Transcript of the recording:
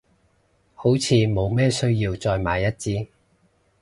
好似冇咩需要再買一隻，